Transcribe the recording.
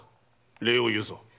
礼を言うぞ。